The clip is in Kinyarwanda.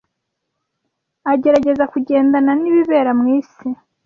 Agerageza kugendana nibibera mwisi.